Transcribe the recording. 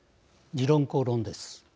「時論公論」です。